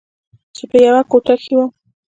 چې په يوه کوټه کښې وم.